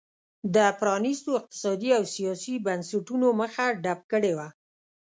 د پرانیستو اقتصادي او سیاسي بنسټونو مخه ډپ کړې وه.